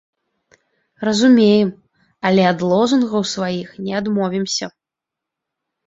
Разумеем, але ад лозунгаў сваіх не адмовімся.